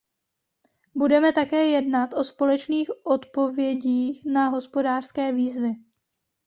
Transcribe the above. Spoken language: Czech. Budeme také jednat o společných odpovědích na hospodářské výzvy.